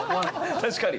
確かに。